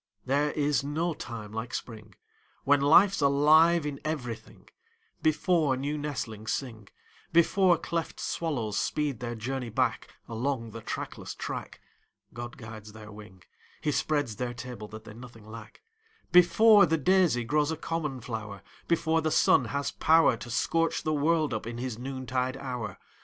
There is no time like Spring, When life's alive in everything, Before new nestlings sing, Before cleft swallows speed their journey back Along the trackless track, God guides their wing, He spreads their table that they nothing lack, Before the daisy grows a common flower, Before the sun has power To scorch the world up in his noontide hour.